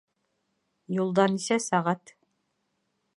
Юлда нисә сәғәт?